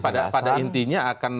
pak jadi pada intinya akan